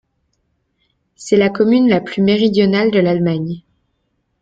C'est la commune la plus méridionale de l'Allemagne.